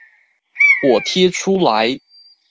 我貼出來